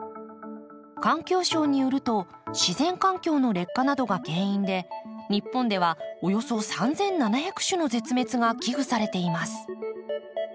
環境省によると自然環境の劣化などが原因で日本ではおよそ３，７００種の絶滅が危惧されています。